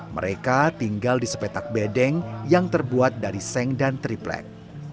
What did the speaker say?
mereka tinggal di sepetak bedeng yang terbuat dari seng dan triplek